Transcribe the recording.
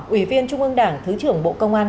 ủy viên trung ương đảng thứ trưởng bộ công an